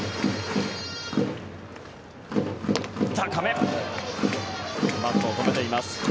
高めバットを止めています。